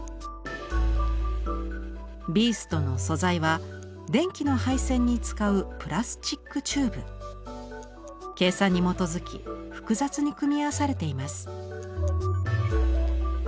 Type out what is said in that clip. ビーストの素材は電気の配線に使う計算に基づき複雑に組み合わされています。